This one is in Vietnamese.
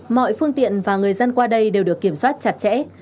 mọi phương tiện và người dân qua đây đều được kiểm soát chặt chẽ